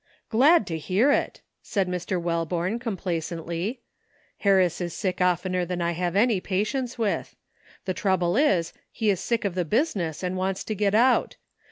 "Glad to hear it," said Mr. Welborne com placently. ''Harris is sick oftener than I have any patience with. The trouble is, he is sick of the business and wants to get out.